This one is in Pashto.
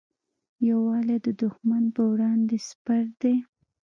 یووالی د دښمن پر وړاندې سپر دی.